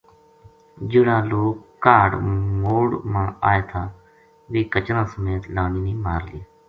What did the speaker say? جہڑا لوک کاہڈ موڑ ما آئے تھا ویہ کچراں سمیت لانی نے مار لیا